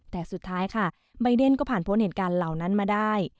แต่สุดท้ายค่ะใบเดนก็ผ่านพ้นเหตุการณ์เหล่านั้นมาได้